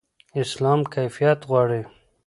اسلام کیفیت غواړي.